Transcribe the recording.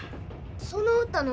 その歌何？